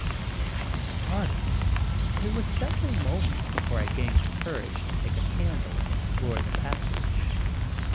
I was startled, and it was several moments before I gained courage to take a candle and explore the passage.